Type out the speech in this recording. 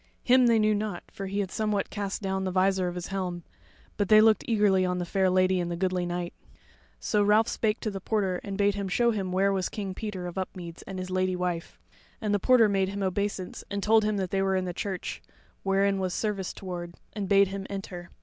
Him they knew not, for he had somewhat cast down the visor of his helm; but they looked eagerly on the fair lady and the goodly knight. So Ralph spake to the porter and bade him show him where was King Peter of Upmeads and his Lady wife; and the porter made him obeisance and told him that they were in the church, wherein was service toward; and bade him enter.